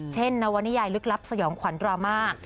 นวนิยายลึกลับสยองขวัญดราม่า